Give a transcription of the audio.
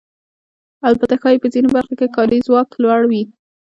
البته ښایي په ځینو برخو کې کاري ځواک لوړ وي